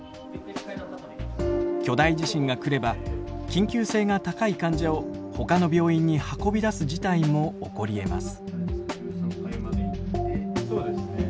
巨大地震が来れば緊急性が高い患者をほかの病院に運び出す事態も起こりえます。